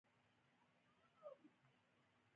تالنده او برېښنا د ساکنې برېښنا خالي کېدو ته وایي.